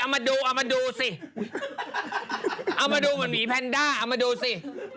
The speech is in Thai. เอามาดูเหมือนหมีแพนด้าเอามาดูสิ